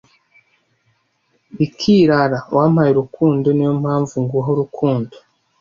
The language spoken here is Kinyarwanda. Bikirara, wampaye urukundo - niyo mpamvu nguha urukundo!